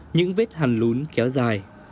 những vết hằn lún kéo dài